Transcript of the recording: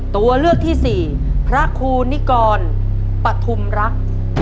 ตัวเลือกที่สี่พระครูนิกรปฐุมรัก